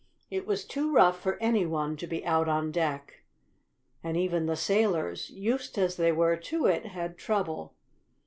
It was too rough for any one to be out on deck, and even the sailors, used as they were to it, had trouble.